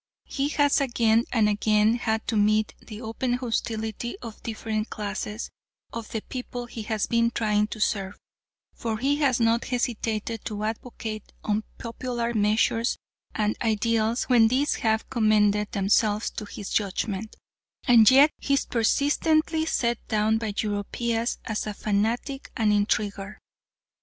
He has again and again had to meet the open hostility of different classes of the people he has been trying to serve, for he has not hesitated to advocate unpopular measures and ideals when these have commended themselves to his judgment, and yet he is persistently set down by Europeans as a fanatic and intriguer!